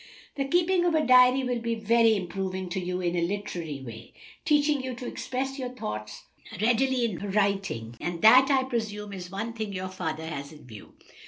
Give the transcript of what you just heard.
"The keeping of a diary will be very improving to you in a literary way, teaching you to express your thoughts readily in writing, and that, I presume, is one thing your father has in view."